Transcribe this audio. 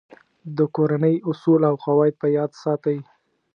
د کورنۍ اصول او قواعد په یاد ساتئ.